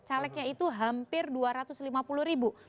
calegnya itu hampir dua ratus lima puluh ribu